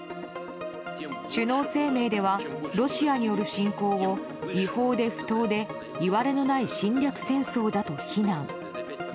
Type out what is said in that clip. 首脳声明ではロシアによる侵攻を違法で不当でいわれのない侵略戦争だと非難。